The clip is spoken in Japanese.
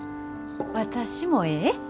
私もええ？